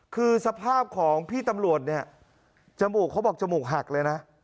คือสภาพของพี่ตำรวจเนี่ยจมูกเขาบอกจมูกหักเลยนะ